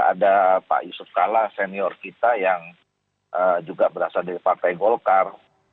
ada pak yusuf kalla senior kita yang juga berasal dari partai golkar